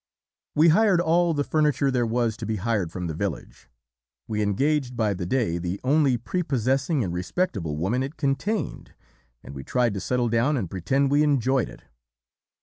"We hired all the furniture there was to be hired from the village, we engaged by the day the only prepossessing and respectable woman it contained, and we tried to settle down and pretend we enjoyed it.